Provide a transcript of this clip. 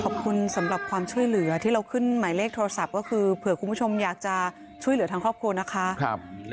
ขอบคุณสำหรับความช่วยเหลือที่เราขึ้นหมายเลขโทรศัพท์ก็คือเผื่อคุณผู้ชมอยากจะช่วยเหลือทางครอบครัวนะคะ